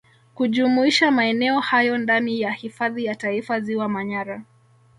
kujumuisha maeneo hayo ndani ya Hifadhi ya Taifa Ziwa Manyara